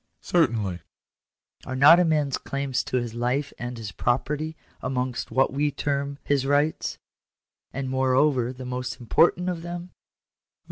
" Certainly." " Are not a man's claims to his life and his property amongst what we term his rights ; and moreover, the most important of them?"